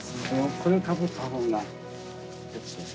これをかぶった方が。